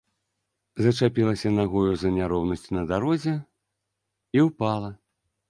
Зачапілася нагою за няроўнасць на дарозе і ўпала.